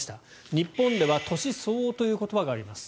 日本では年相応という言葉があります。